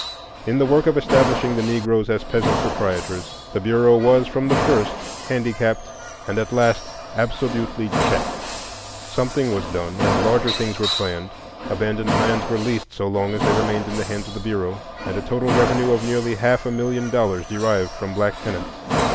In the work of establishing the Negroes as peasant proprietors, the Bureau was from the first handicapped and at last absolutely checked. Something was done, and larger things were planned; abandoned lands were leased so long as they remained in the hands of the Bureau, and a total revenue of nearly half a million dollars derived from black tenants.